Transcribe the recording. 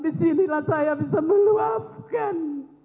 disinilah saya bisa meluapkan